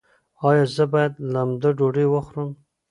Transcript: ایا زه باید لمده ډوډۍ وخورم؟